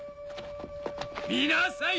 見なさい！